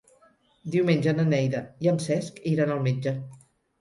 Diumenge na Neida i en Cesc iran al metge.